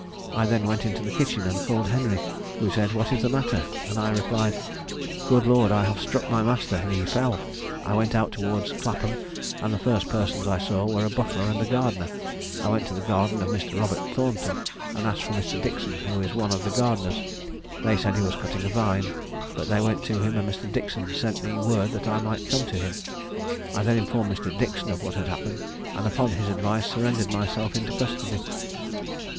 I then went into the kitchen, and called Henry, who said 'What is the matter?' and I replied, 'Good Lord, I have struck my master, and he fell!' I went out towards Clapham, and the first persons I saw were a butler and a gardener. I went to the garden of Mr. Robert Thornton, and asked for Mr. Dixon, who is one of the gardeners. They said he was cutting a vine; but they went to him, and Mr. Dixon sent me word that I might come to him. I then informed Mr. Dixon of what had happened, and upon his advice surrendered myself into custody."